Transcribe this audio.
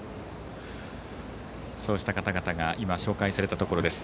そうした方々が今、紹介されたところです。